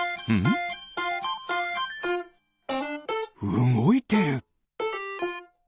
うごいてる！